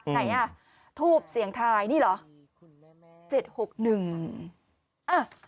ไหนอ่ะทูปเสียงไทยนี่เหรอ